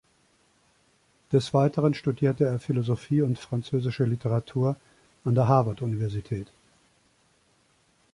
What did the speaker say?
Des Weiteren studierte er Philosophie und französische Literatur an der Harvard Universität.